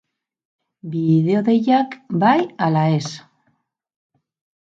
Bideo-deiak, bai ala ez?